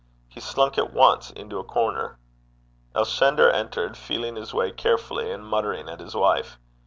He slunk at once into a corner. Elshender entered, feeling his way carefully, and muttering at his wife.